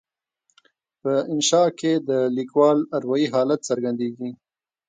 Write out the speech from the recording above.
په انشأ کې د لیکوال اروایي حالت څرګندیږي.